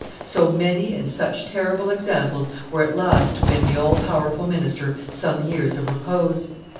So many and such terrible examples were at last to win the all powerful minister some years of repose.